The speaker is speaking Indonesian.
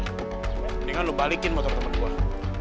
sebaiknya lo balikin motor temen gue